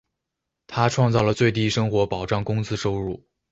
他创造了最低生活保障工资收入。